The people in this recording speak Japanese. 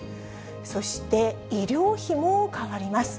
そして、医療費も変わります。